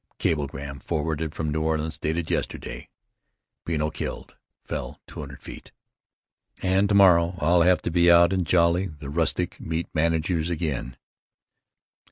Cablegram forwarded from New Orleans, dated yesterday, "Beanno killed fell 200 feet." And to morrow I'll have to be out and jolly the rustic meet managers again.